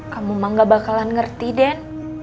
kamu emang gak bakalan ngerti den